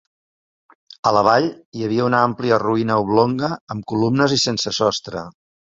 A la vall, hi havia una àmplia ruïna oblonga amb columnes i sense sostre.